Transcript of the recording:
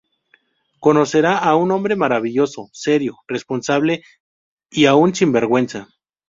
Conocerá a un hombre maravilloso, serio, responsable, y a un sinvergüenza.